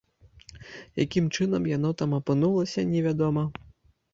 Якім чынам яно там апынулася, невядома.